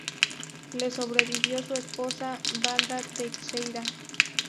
Le sobrevivió su esposa, Vanda Teixeira.